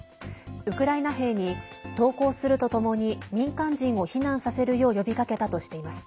ウクライナ兵に投降するとともに民間人を避難させるよう呼びかけたとしています。